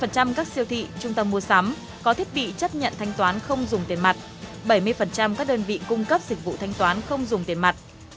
một trăm linh các siêu thị trung tâm mua sắm có thiết bị chấp nhận thanh toán không dùng tiền mặt